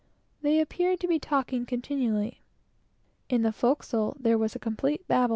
They appeared to be talking continually. In the forecastle there was a complete Babel.